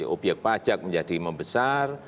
objek pajak menjadi membesar